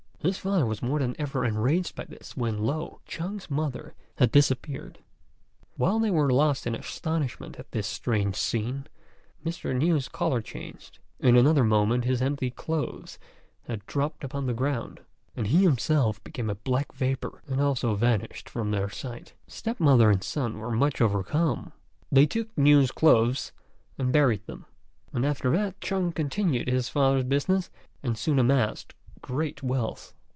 His father was more than ever enraged at this, when, lo! Chung's mother had disappeared. While they were still lost in astonishment at this strange scene, Mr. Niu's colour changed; in another moment his empty clothes had dropped upon the ground, and he himself became a black vapour and also vanished from their sight. The step mother and son were much overcome; they took Niu's clothes and buried them, and after that Chung continued his father's business and soon amassed great wealth.